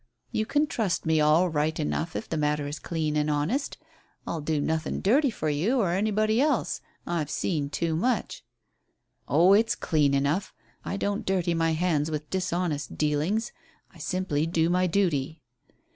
"You can trust me all right enough if the matter is clean and honest. I'll do nothing dirty for you or anybody else. I've seen too much." "Oh, it's clean enough. I don't dirty my hands with dishonest dealings. I simply do my duty."